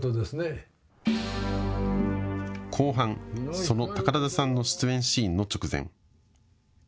後半、その宝田さんの出演シーンの直前。